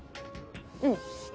うん。